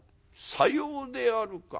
「さようであるか。